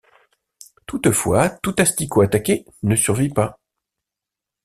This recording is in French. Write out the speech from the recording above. Toutefois, tout asticot attaqué ne survit pas.